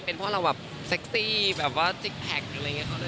เป็นเพราะเราแบบเซ็กซี่แบบว่าซิกแพคอะไรอย่างนี้